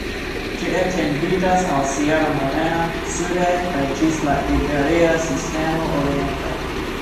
Ĝi etendiĝas al Sierra Morena sude kaj ĝis la Iberia Sistemo oriente.